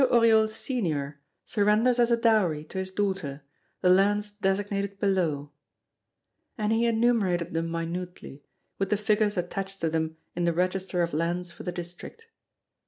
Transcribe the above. Oriol, Senior, surrenders as a dowry to his daughter the lands designated below " And he enumerated them minutely, with the figures attached to them in the register of lands for the district.